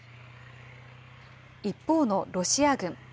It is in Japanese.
一方のロシア軍。